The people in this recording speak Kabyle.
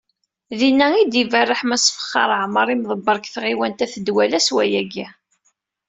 Dinna, i d-iberreḥ Mass Fexxar Aɛmar, imḍebber deg tɣiwant n At Ddwala, s wayagi.